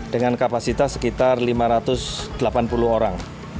dengan kapasitas sekitar lima ratus delapan puluh orang